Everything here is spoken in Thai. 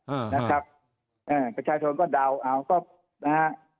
อ่านะครับเออประชาชนก็ดาวน์เอาก็นะฮะ